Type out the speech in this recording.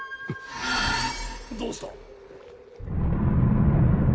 どうした？